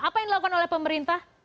apa yang dilakukan oleh pemerintah